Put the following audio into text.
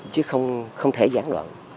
chứ không thể gián đoạn